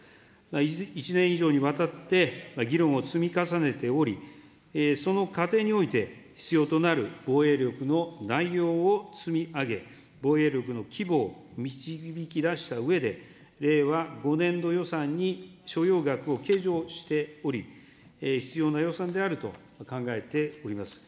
１年以上にわたって議論を積み重ねており、その過程において、必要となる防衛力の内容を積み上げ、防衛力の規模を導き出したうえで、令和５年度予算に所要額を計上しており、必要な予算であると考えております。